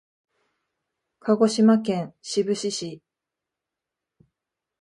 鹿児島県志布志市